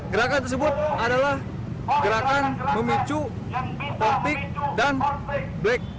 gerakan tersebut adalah gerakan memicu topik dan black